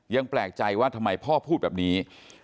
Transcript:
ยังแปลกใจว่าทำไมพ่อพูดแบบนี้